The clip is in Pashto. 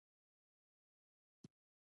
رنګارنګ شګې او ښکلي ماهیان تر سترګو ګرځېدل.